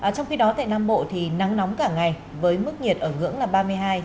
trong khi đó tại nam bộ thì nắng nóng cả ngày với mức nhiệt ở ngưỡng là ba mươi hai ba mươi ba độ c